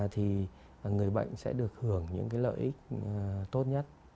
thì người bệnh sẽ được hưởng những cái lợi ích tốt nhất